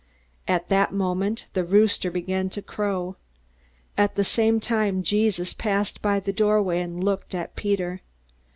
At that moment the rooster began to crow. At the same time Jesus passed by the doorway, and looked at Peter.